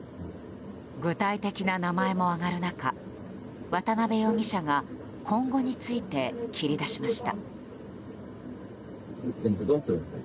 具体的な名前も挙がる中渡邉容疑者が今後について切り出しました。